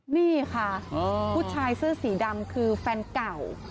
นี่ค่ะผู้ชายเสื้อสีดำคือแฟนเก่า